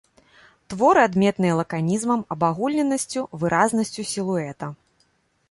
Творы адметныя лаканізмам, абагульненасцю, выразнасцю сілуэта.